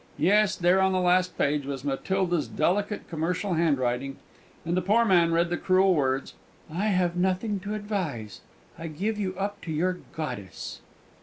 Yes, there on the last page was Matilda's delicate commercial handwriting, and the poor man read the cruel words, "_I have nothing to advise; I give you up to your 'goddess'!